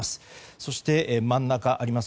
そして、真ん中にあります